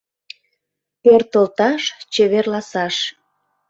Пӧртылташ, чеверласаш —